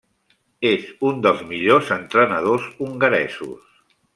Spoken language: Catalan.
És un dels millors entrenadors hongaresos.